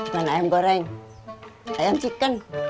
main ayam goreng ayam chicken